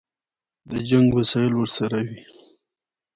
د جنګ وسایل ورسره وي.